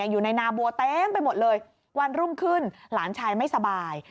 อยู่ในนาบัวเต็มไปหมดเลยวันรุ่งขึ้นหลานชายไม่สบาย